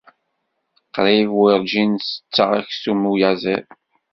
Qrib werǧin setteɣ aksum n uyaziḍ.